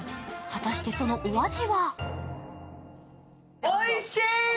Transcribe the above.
果たしてそのお味は？